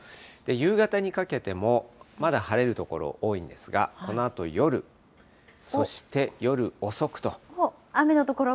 夕方にかけても、まだ晴れる所、多いんですが、このあと夜、そして夜遅くと。